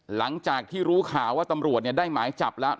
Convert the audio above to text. หลังจากที่รู้ข่าวว่าตำรวจได้หมายจับแล้ว